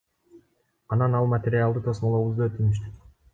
Анан ал материалды тосмолообузду өтүнүштү.